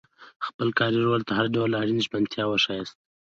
خپل کاري رول ته هر ډول اړینه ژمنتیا وښایاست.